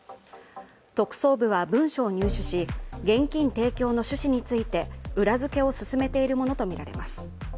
特捜部は文書を入手し、現金提供の趣旨について裏づけを進めているものとみられます。